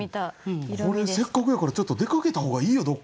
これせっかくやからちょっと出かけた方がいいよ